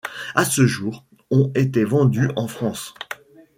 À ce jour, ont été vendus en France.